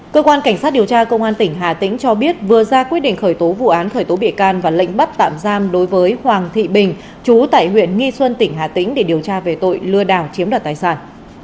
cơ quan cảnh sát điều tra công an tỉnh hà tĩnh cho biết vừa ra quyết định khởi tố vụ án khởi tố bị can và lệnh bắt tạm giam đối với hoàng thị bình chú tại huyện nghi xuân tỉnh hà tĩnh để điều tra về tội lừa đảo chiếm đoạt tài sản